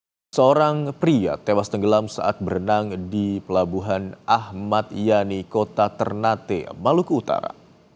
hai seorang pria tewas tenggelam saat berenang di pelabuhan ahmad yani kota ternate maluku utara